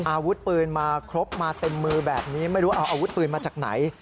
อาวุธปืนมาครบมาเต็มมือแบบนี้ไม่รู้เอาอาวุธปืนมาจากไหน